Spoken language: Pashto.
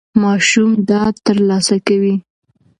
ماشوم ډاډ ترلاسه کوي.